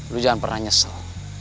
lu jangan pernah nyesel